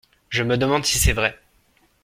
Je me demande si c'est vrai.